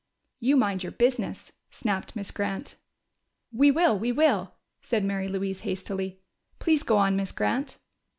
"You mind your business!" snapped Miss Grant. "We will We will!" said Mary Louise hastily. "Please go on, Miss Grant!"